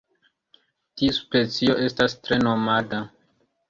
Tiu specio estas tre nomada.